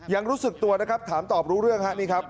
ยังรู้สึกตัวนะครับถามตอบรู้เรื่องฮะนี่ครับ